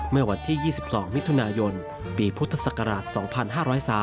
เมื่อวันที่๒๒มิถุนายนปีพุทธศักราช๒๕๐๓